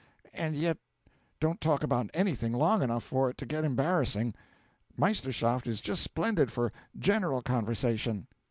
And yet don't talk about anything long enough for it to get embarrassing. Meisterschaft is just splendid for general conversation.